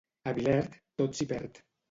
A Vilert, tot s'hi perd.